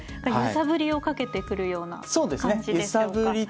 揺さぶりをかけてくるような感じでしょうか。